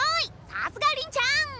さすがりんちゃん！